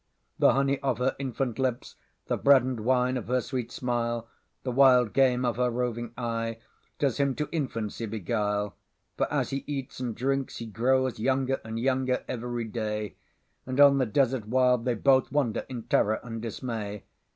The honey of her infant lips, The bread and wine of her sweet smile, The wild game of her roving eye, Does him to infancy beguile; For as he eats and drinks he growsYounger and younger every day; And on the desert wild they bothWander in terror and dismay.